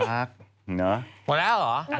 หมดแล้วเหรอ